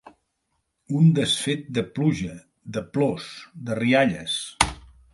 Un desfet de pluja, de plors, de rialles.